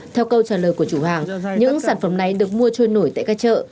theo câu trả lời của chủ hàng những sản phẩm này được mua trôi nổi tại các chợ